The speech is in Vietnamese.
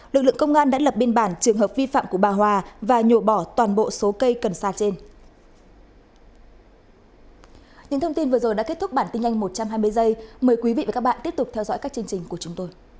lực lượng công an đã lập biên bản trường hợp vi phạm của bà hòa và nhổ bỏ toàn bộ số cây cần sa trên